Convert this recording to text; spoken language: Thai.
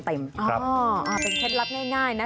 เป็นเคล็ดลับง่ายนะ